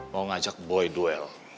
mau ngajak boi duel